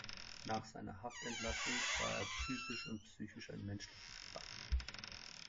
Nach seiner Haftentlassung war er physisch und psychisch ein menschliches Wrack.